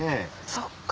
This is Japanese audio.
そっか。